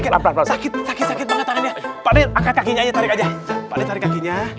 pelan pelan sakit sakit banget tangannya pak deh angkat kakinya aja tarik aja pak deh tarik kakinya